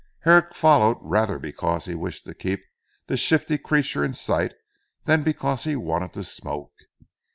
Herrick followed rather because he wished to keep this shifty creature in sight than because he wanted to smoke.